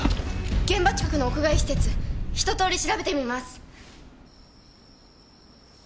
現場近くの屋外施設ひと通り調べてみます！